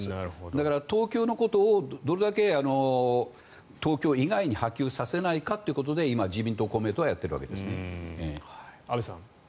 だから、東京のことをどれだけ東京以外に波及させないかということで今、自民党と公明党はやっているわけですね。